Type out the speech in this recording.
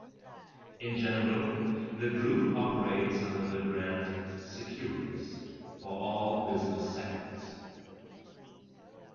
In general, the group operates under the brand Securitas for all business segments.